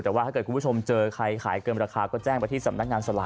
แต่ว่าถ้าเกิดคุณผู้ชมเจอใครขายเกินราคาก็แจ้งไปที่สำนักงานสลาก